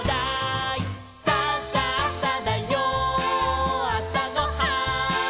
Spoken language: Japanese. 「さあさあさだよあさごはん」